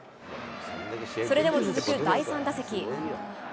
それでも続く第３打席。